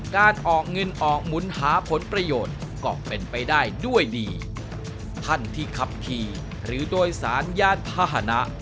การออกเงินออกหมุนหาผลประโยชน์ก็เป็นไปได้ด้วยดีท่านที่ขับขี่หรือโดยสารยานพาหนะ